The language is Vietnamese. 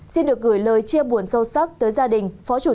xin được gửi lời chia buồn sâu sắc tới gia đình phó chủ tịch